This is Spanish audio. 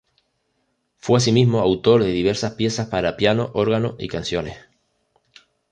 Fue asimismo autor de diversas piezas para piano, órgano y canciones.